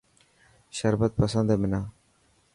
شربت پسند هي منان.